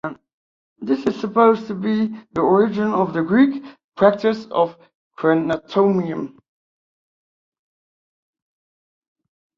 This is supposed to be the origin of the Greek practice of cremation.